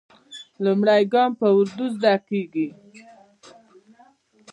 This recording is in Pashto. لومړی ګام په اردو زده کېږي.